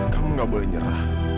kamu gak boleh nyerah